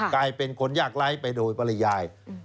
กลายเป็นคนยากไร้ไปโดยปริยาย